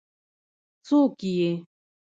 ـ څوک یې؟